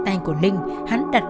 các cái máy ngồi trên túi